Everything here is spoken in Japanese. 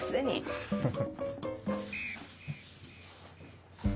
フフフ。